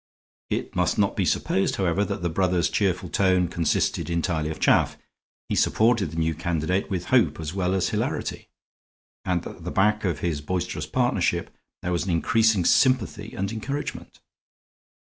It must not be supposed, however, that the brother's cheerful tone consisted entirely of chaff. He supported the new candidate with hope as well as hilarity; and at the back of his boisterous partnership there was an increasing sympathy and encouragement.